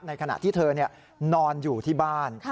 ขณะที่เธอนอนอยู่ที่บ้าน